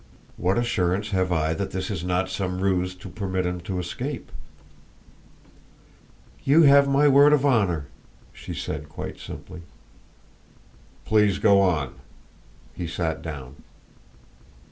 What assurance have I that this is not some ruse to permit him to escape?" "You have my word of honor," she said quite simply. "Please go on." He sat down.